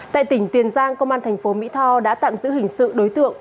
tại tỉnh tiền giang công an thành phố mỹ tho đã tạm giữ hình sự đối tượng